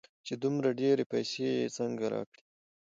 چې دومره ډېرې پيسې يې څنگه راکړې.